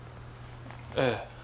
ええ。